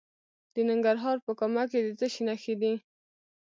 د ننګرهار په کامه کې د څه شي نښې دي؟